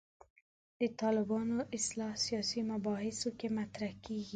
د طالبانو اصطلاح سیاسي مباحثو کې مطرح کېږي.